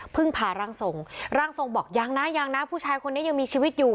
พาร่างทรงร่างทรงบอกยังนะยังนะผู้ชายคนนี้ยังมีชีวิตอยู่